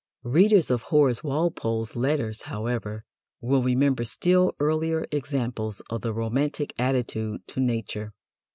Readers of Horace Walpole's letters, however, will remember still earlier examples of the romantic attitude to nature.